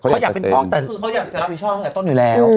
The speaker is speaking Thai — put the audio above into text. เขาอยากจะรับผิดชอบตั้งแต่ต้นอยู่แล้ว